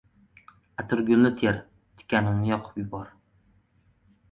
• Atirgulni ter, tikanini yoqib yubor.